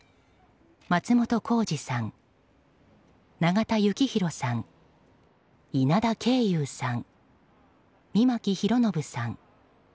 松本弘次さん、永田幸広さん稲田恵有さん、三牧博宣さん。